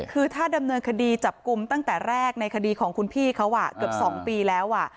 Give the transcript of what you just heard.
คือถ้าดำเนินคดีจับกลุ่มตั้งแต่แรกในคดีของคุณพี่เขาเกือบ๒ปีแล้ว